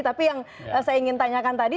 tapi yang saya ingin tanyakan tadi